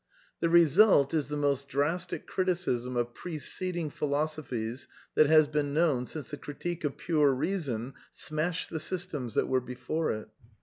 The result is the most drastic criticism of preceding philos ophies that has been known since the Critique of Pure Beason smashed the systems that were before it.